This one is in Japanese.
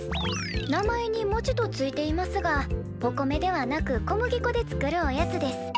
「名前に『もち』とついていますがお米ではなく小麦粉で作るおやつです。